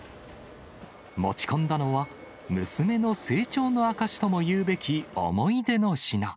持ち込んだのは、娘の成長の証しともいうべき、思い出の品。